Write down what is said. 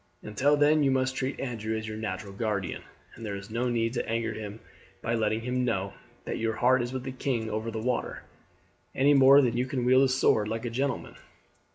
Until then you must treat Andrew as your natural guardian, and there is no need to anger him by letting him know that your heart is with the king over the water, any more than that you can wield a sword like a gentleman.